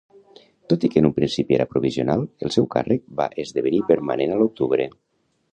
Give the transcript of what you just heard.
Tot i que en un principi era provisional, el seu càrrec va esdevenir permanent a l'octubre.